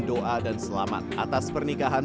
doa dan selamat atas pernikahan